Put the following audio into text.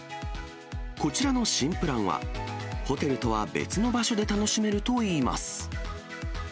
こちらの新プランは、ホテルとは別の場所で楽しめるといいます。